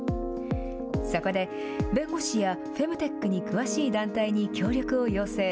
そこで弁護士やフェムテックに詳しい団体に協力を要請。